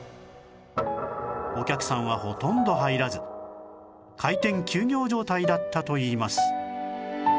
お客さんはほとんど入らず開店休業状態だったといいます